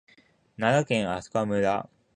奈良県明日香村